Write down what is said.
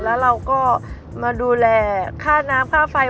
แล้วเราก็มาดูแลค่าน้ำค่าไฟ